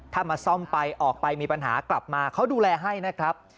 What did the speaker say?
ถ้ามาซ่อมไปออกไปมีปัญหากลับมาเขาดูแลให้นะครับ